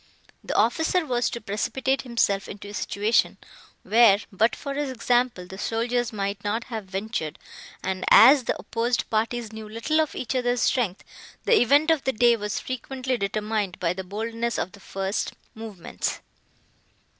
The officer was to precipitate himself into a situation, where, but for his example, the soldiers might not have ventured; and, as the opposed parties knew little of each other's strength, the event of the day was frequently determined by the boldness of the first movements.